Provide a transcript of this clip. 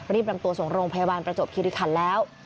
นำตัวส่งโรงพยาบาลประจบคิริคันแล้ว